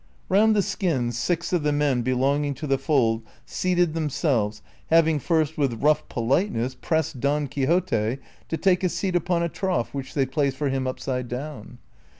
Round the skins six of the men belonging to the fold seated themselves, having first with rough jjoliteness pressed Don Quixote to take a seat upon a trough which they placed for him upside down.